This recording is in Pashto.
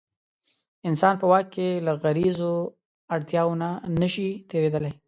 انسان په واک کې له غریزو اړتیاوو نه شي تېرېدلی.